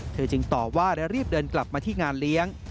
จึงตอบว่าและรีบเดินกลับมาที่งานเลี้ยง